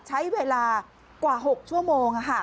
ใช้เวลากว่า๖ชั่วโมง